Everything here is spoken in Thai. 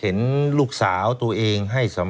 แทงไว้กี่ทีใช่มะ